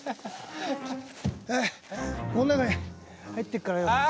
ああこの中に入ってるからよ。